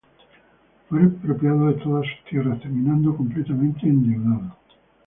Fue expropiado de todas sus tierras, terminando completamente endeudado.